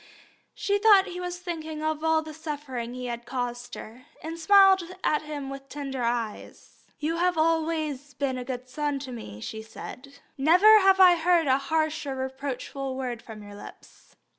She thought he was thinking of all the suffering he had caused her, and smiled at him with tender eyes. "You have always been a good son to me," she said. "Never have I heard a harsh or reproachful word from your lips."